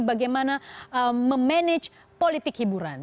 bagaimana memanage politik hiburan